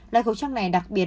loại khẩu trang này đặc biệt